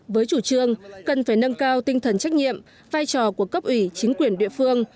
với chủ trương cần phải nâng cao tinh thần trách nhiệm vai trò của cấp ủy chính quyền địa phương